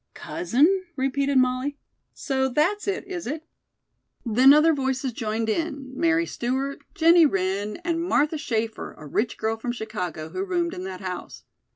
"Cousin?" repeated Molly. "So that's it, is it?" Then other voices joined in Mary Stewart, Jennie Wren and Martha Schaeffer, a rich girl from Chicago, who roomed in that house.